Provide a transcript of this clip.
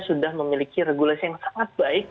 sudah memiliki regulasi yang sangat baik